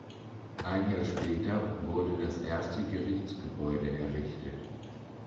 Ein Jahr später wurde das erste Gerichtsgebäude errichtet.